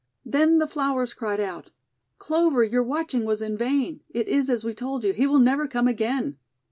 Then the flowers cried out: — l( Clover, your watching was in vain. It is as we told you. He will never come again.'